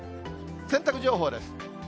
洗濯情報です。